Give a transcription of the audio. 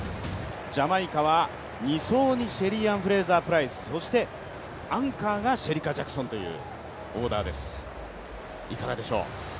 ジャマイカは２走にシェリーアン・フレイザープライス、そしてアンカーがシェリカ・ジャクソンというオーダーです、いかがでしょう？